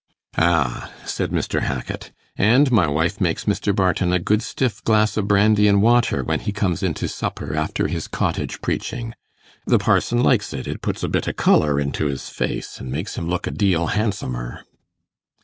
'Ah!' said Mr. Hackit, 'and my wife makes Mr. Barton a good stiff glass o' brandy and water, when he comes into supper after his cottage preaching. The parson likes it; it puts a bit o' colour into 'is face, and makes him look a deal handsomer.